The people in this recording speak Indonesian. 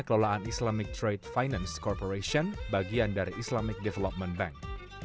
kelolaan islamic trade finance corporation bagian dari islamic development bank